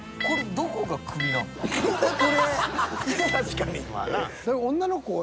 確かに。